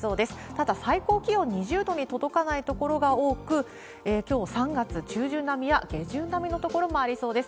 ただ、最高気温２０度に届かない所が多く、きょう３月中旬並みや、下旬並みの所もありそうです。